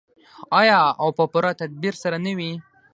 آیا او په پوره تدبیر سره نه وي؟